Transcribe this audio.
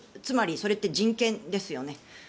つまりそれって人権ですよね。